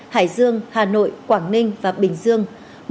hải dương hà nội quảng ninh và bình dương